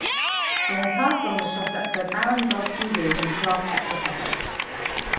The entire film was shot at the Barrandov Studios in Prague, Czech Republic.